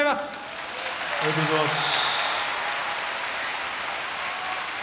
ありがとうございます。